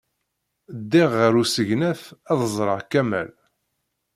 Ddiɣ ɣer usegnaf ad d-ẓreɣ Kamal.